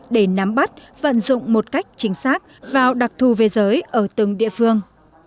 để nắm bắt vận dụng một cách chính xác vào đặc thù về giới ở từng địa phương